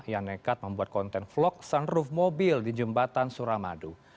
yang nekat membuat konten vlog sunroof mobil di jembatan suramadu